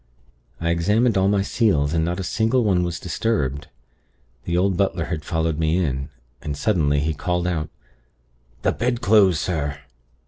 I examined all my seals, and not a single one was disturbed. The old butler had followed me in, and, suddenly, he called out: 'The bedclothes, sir!'